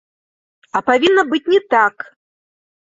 А павінна быць не так!